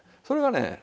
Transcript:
それがね